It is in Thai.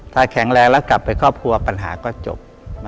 ถ้าแข็งแรงแล้วกลับไปครอบครัวปัญหาก็จบ